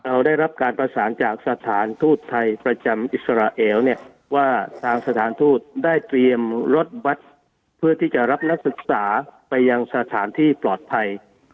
เราได้รับการประสานจากสถานทูตไทยประจำอิสราเอลเนี่ยว่าทางสถานทูตได้เตรียมรถวัดเพื่อที่จะรับนักศึกษาไปยังสถานที่ปลอดภัย